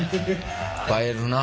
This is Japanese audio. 映えるな。